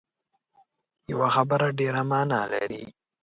یوه خبره ډېره معنا لري